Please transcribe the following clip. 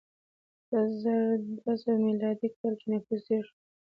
په زر دوه سوه میلادي کال کې نفوس ډېر شو.